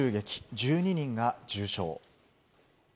１２人が重傷。